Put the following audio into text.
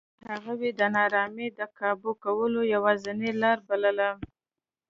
هغوی د نارامۍ د کابو کولو یوازینۍ لار بلله.